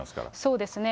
そうですね。